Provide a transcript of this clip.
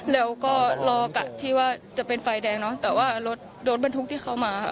แล้วก็รอกะที่ว่าจะเป็นไฟแดงเนอะแต่ว่ารถรถบรรทุกที่เข้ามาค่ะ